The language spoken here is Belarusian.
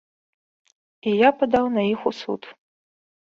І я падаў на іх у суд.